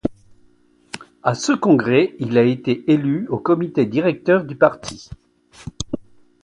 À ce congrès, il a été élu au Comité directeur du parti.